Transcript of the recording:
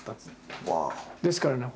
ですからね